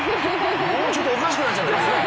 もうちょっとおかしくなっちゃってますね。